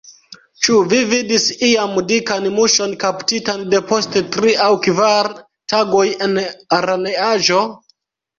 Ĉu vi vidis iam dikan muŝon kaptitan depost tri aŭ kvar tagoj en araneaĵo?